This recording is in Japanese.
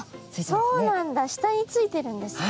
そうなんだ下についてるんですか。